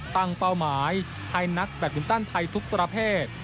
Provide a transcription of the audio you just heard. เป้าหมายให้นักแบตมินตันไทยทุกประเภท